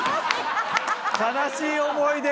悲しい思い出。